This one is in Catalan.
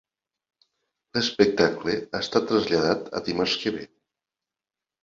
L'espectacle ha estat traslladat a dimarts que ve.